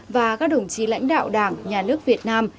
và các đồng chí lãnh đạo đảng nhà nước việt nam